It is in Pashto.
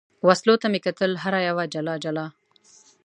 وسلو ته مې کتل، هره یوه یې جلا جلا.